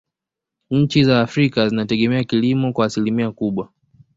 nchi za afrika zinategemea kilimo kwa asilimia kubwa